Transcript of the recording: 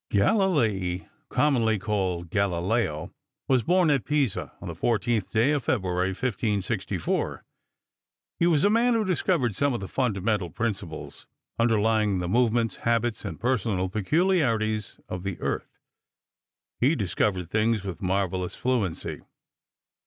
Galilei, commonly called Galileo, was born at Pisa on the 14th day February, 1564. He was a man who discovered some of the fundamental principles underlying the movements, habits, and personal peculiarities of the earth. He discovered things with marvelous fluency.